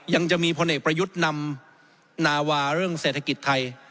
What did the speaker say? ยังมีพลเอกประยุทธ์นำนาวาเรื่องเศรษฐกิจไทย